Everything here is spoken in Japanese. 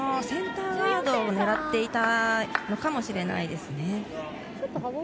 センターガードをねらっていたのかもしれないですね。